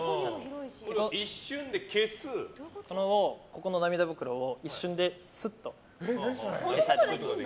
この涙袋を一瞬ですっと消したいと思います。